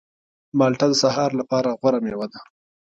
مالټه د سهار لپاره غوره مېوه ده.